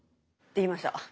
できました。